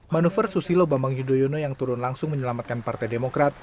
manuver susilo bambang yudhoyono yang turun langsung menyelamatkan partai demokrat